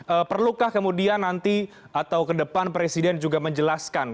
apakah kemudian nanti atau kedepan presiden juga menjelaskan